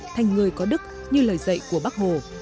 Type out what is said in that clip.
thành người có đức như lời dạy của bác hồ